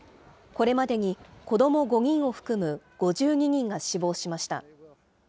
これまでに子ども５人を含む５２人が死亡しました。